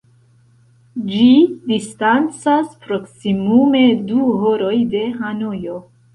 Ĝi distancas proksimume du horoj de Hanojo.